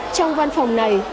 trong văn phòng này